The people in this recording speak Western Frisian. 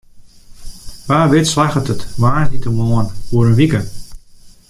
Wa wit slagget it woansdeitemoarn oer in wike.